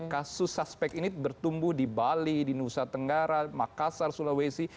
kasus suspek ini bertumbuh di bali di nusa tenggara makassar sulawesi